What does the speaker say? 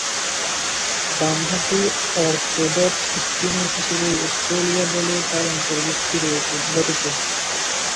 বামহাতি orthodox spinner হিসেবেই Australia দলে তার অন্তর্ভুক্তি ঘটেছে।